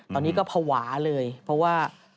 ตอนนี้ก็ภาวะเลยเพราะว่า